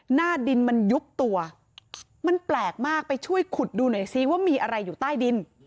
หน้าดินมันยุบตัวมันแปลกมากไปช่วยขุดดูหน่อยซิว่ามีอะไรอยู่ใต้ดิน